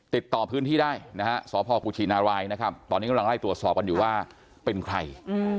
ติดต่อพื้นที่ได้นะฮะสพกุชินารายนะครับตอนนี้กำลังไล่ตรวจสอบกันอยู่ว่าเป็นใคร